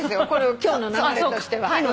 今日の流れとしては。いいのね。